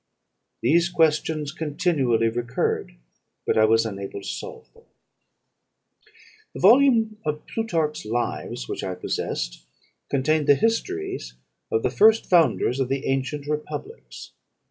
These questions continually recurred, but I was unable to solve them. "The volume of 'Plutarch's Lives,' which I possessed, contained the histories of the first founders of the ancient republics.